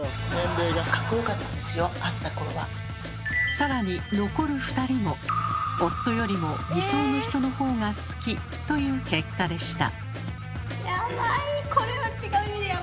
更に残る２人も夫よりも理想の人の方が好きという結果でした。